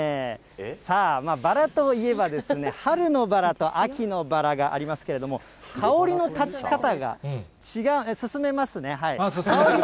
さあ、バラといえばですね、春のバラと秋のバラがありますけれども、香りの立ち方が違う、進めますね、はい。